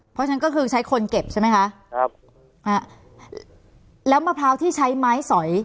เพราะฉะนั้นก็คือใช้คนเก็บใช่ไหมคะครับอ่าแล้วมะพร้าวที่ใช้ไม้สอย